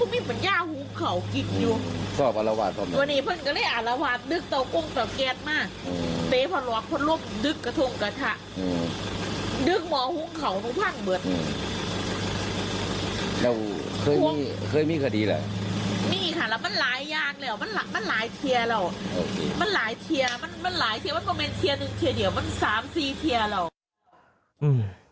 มันหลายเทียร์มันก็เป็นเทียร์หนึ่งเทียร์เดียวมันสามสี่เทียร์แล้ว